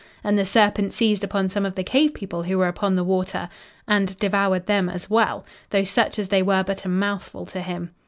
And the serpent seized upon some of the Cave People who were upon the water and devoured them as well, though such as they were but a mouthful to him.